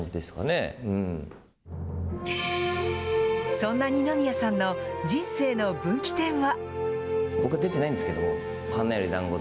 そんな二宮さんの、人生の分岐点は。